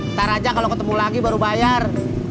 ntar aja kalau ketemu lagi baru bayar